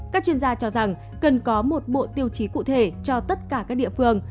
các chuyên gia cho rằng cần có một bộ tiêu chí cụ thể cho tất cả các địa phương